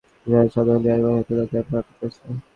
বর যদি সাধারণ ড্রাইভার হয় তাতে আপনার আপত্তি আছে?